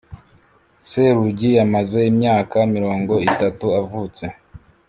serugi yamaze imyaka mirongo itatu avutse